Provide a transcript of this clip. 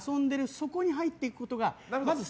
そこに入っていくことが。